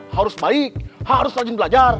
harus baik harus rajin belajar